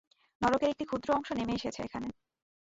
নরকের একটি ক্ষুদ্র অংশ নেমে এসেছে এখানে।